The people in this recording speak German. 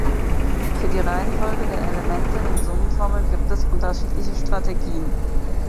Für die Reihenfolge der Elemente in Summenformeln gibt es unterschiedliche Strategien.